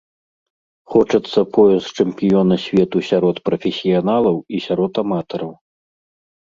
Хочацца пояс чэмпіёна свету сярод прафесіяналаў і сярод аматараў.